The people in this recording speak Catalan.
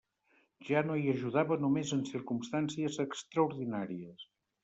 Ja no hi ajudava només en circumstàncies extraordinàries.